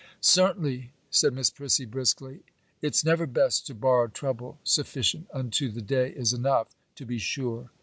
'Certainly,' said Miss Prissy, briskly, 'it's never best to borrow trouble; "sufficient unto the day" is enough, to be sure.